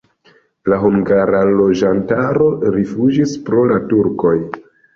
La hungara loĝantaro rifuĝis pro la turkoj.